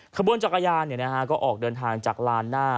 ขบวนจักรยานก็ออกเดินทางจากลานหน้า